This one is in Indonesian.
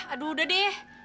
aduh udah deh